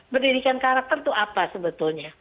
pendidikan karakter itu apa sebetulnya